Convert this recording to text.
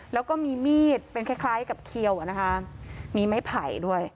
แล้วก็มีมีดเป็นคล้ายกับเขียวอ่ะนะคะมีไม้ไผ่ด้วย